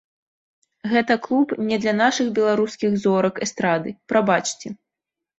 Гэта клуб не для нашых беларускіх зорак эстрады, прабачце.